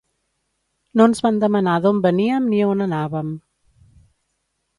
No ens van demanar d’on veníem ni on anàvem.